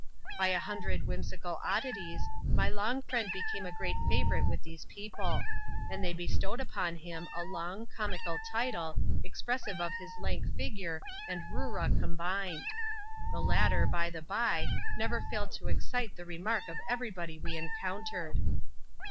By a hundred whimsical oddities, my long fidend became a great £a,vourite with these people ; and they bestowed upon him a, long, comical title, expressive of his lank figure and Roors combined. The latter, by the by, never foiled to excite the re mark of every body we encountered.